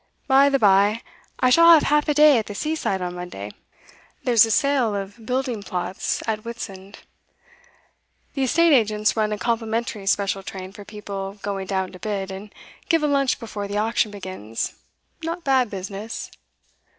By the bye, I shall have half a day at the seaside on Monday. There's a sale of building plots down at Whitsand. The estate agents run a complimentary special train for people going down to bid, and give a lunch before the auction begins. Not bad business.